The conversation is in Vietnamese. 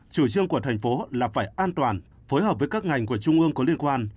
chủ trương của thành phố là phải an toàn phối hợp với các ngành của trung ương có liên quan